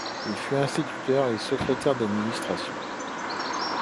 Il fut instituteur et secrétaire d'administration.